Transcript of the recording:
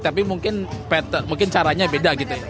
tapi mungkin caranya beda gitu ya